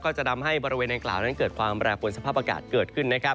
จะทำให้บริเวณดังกล่าวนั้นเกิดความแปรปวนสภาพอากาศเกิดขึ้นนะครับ